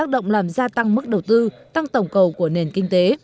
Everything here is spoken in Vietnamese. động làm gia tăng mức đầu tư tăng tổng cầu của nền kinh tế